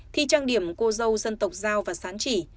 thi trang điểm cô dâu dân tộc giao và sán chỉ